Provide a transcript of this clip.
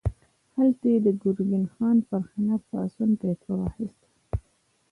هلته یې د ګرګین خان پر خلاف د پاڅون فتوا واخیسته.